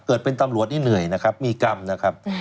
ตำรวจเป็นตำรวจนี่เหนื่อยนะครับมีกรรมนะครับ